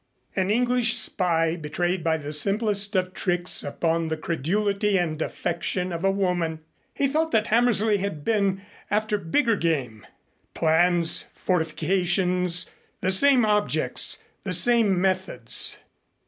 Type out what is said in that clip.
An English spy betrayed by the simplest of tricks upon the credulity and affection of a woman. He thought that Hammersley had been after bigger game. Plans, fortifications the same objects, the same methods.